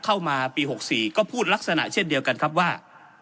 เข้ามาปี๖๔ก็พูดลักษณะเช่นเดียวกันครับว่า